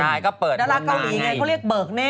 ท่านละเกาหลีไงเขาเรียกเบิร์คเนท